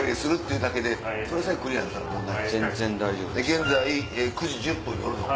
現在９時１０分夜の。